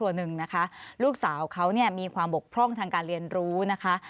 หนึ่งนะคะลูกสาวเขาเนี่ยมีความบกพร่องทางการเรียนรู้นะคะ